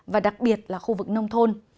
và đặc biệt là khu vực nông thôn